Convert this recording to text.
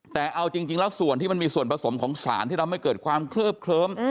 แต่เอาจริงแล้วส่วนที่มันมีส่วนผสมของสารที่ทำให้เกิดความเคลือบเคลิ้ม